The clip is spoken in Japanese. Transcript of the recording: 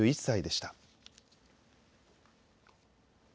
９１歳でした。